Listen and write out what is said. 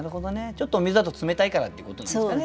ちょっとお水だと冷たいからっていうことなんですかね。